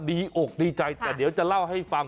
อกดีใจแต่เดี๋ยวจะเล่าให้ฟัง